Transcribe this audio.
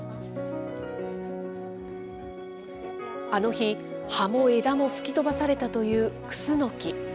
あの日、葉も枝も吹き飛ばされたというくすのき。